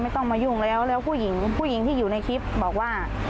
ต้องมายุ่งแล้วแล้วผู้หญิงผู้หญิงที่อยู่ในคลิปบอกว่า